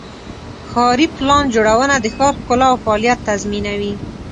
ښاري پلان جوړونه د ښار ښکلا او فعالیت تضمینوي.